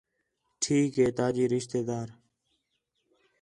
ٹھیک ہے تا جی رشتہ دار